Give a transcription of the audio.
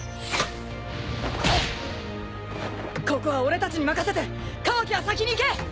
ここは俺たちに任せてカワキは先に行け！